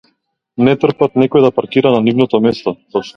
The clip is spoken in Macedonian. Не трпат некој да паркира на нивното место.